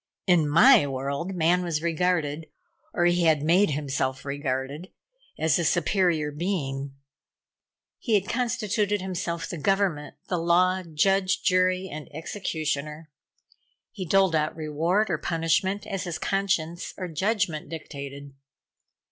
In my world man was regarded, or he had made himself regarded, as a superior being. He had constituted himself the Government, the Law, Judge, Jury and Executioner. He doled out reward or punishment as his conscience or judgment dictated.